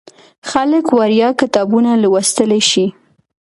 خلک وړیا کتابونه لوستلی شي.